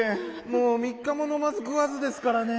もう３日ものまずくわずですからね。